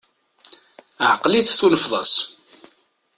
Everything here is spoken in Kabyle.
Ɛeqel-it tunefeḍ-as!